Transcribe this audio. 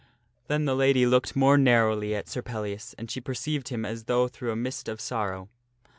Then the lady looked more narrowly at Sir Pellias, and she perceived him as though through a mist of sorrow.